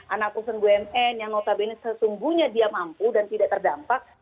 anak perusahaan bumn yang notabene sesungguhnya dia mampu dan tidak terdampak